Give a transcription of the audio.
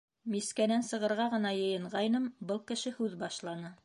Мискәнән сығырға ғына йыйынғайным, был кеше һүҙ башланы.